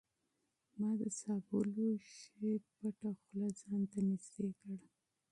ما د سابو لوښی په خاموشۍ سره ځان ته نږدې کړ.